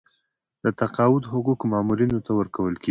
د تقاعد حقوق مامورینو ته ورکول کیږي